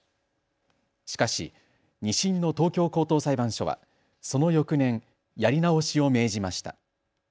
しかし、２審の東京高等裁判所はその翌年、やり直しを命じました。